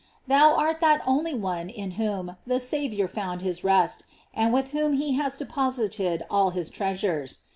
Thou art that only one in whom the Saviouf found his rest, and with whom he has deposited all his treasures.